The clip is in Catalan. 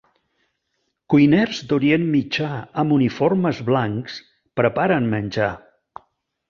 cuiners d'Orient Mitjà amb uniformes blancs preparen menjar.